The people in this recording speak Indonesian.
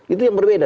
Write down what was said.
itu yang berbeda